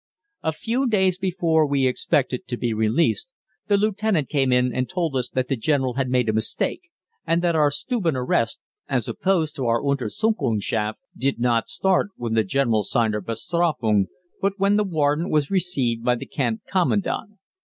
A few days before we expected to be released, the lieutenant came in and told us that the General had made a mistake and that our Stubenarrest, as opposed to our Untersuchungschaft, did not start when the General signed our Bestrafung, but when the warrant was received by the Camp Commandant.